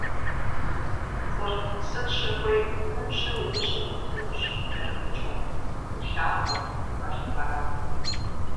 Пцӏыр сыт щыгъуи ныбжьу уи ужьым итынущ пкӀэрымыкӀыу, уилъахъэу, уигъэлъэпэрапэу.